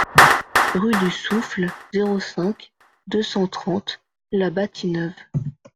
Rue du Souffle, zéro cinq, deux cent trente La Bâtie-Neuve